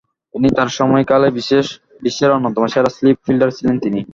তিনি তার সময়কালে বিশ্বের অন্যতম সেরা স্লিপ ফিল্ডার ছিলেন তিনি।